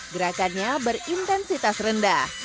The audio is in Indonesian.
gerakannya berintensitas rendah